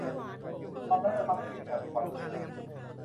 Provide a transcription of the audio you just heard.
ความรักและความเกลียดชังเป็นความรู้สึกของมนุษย์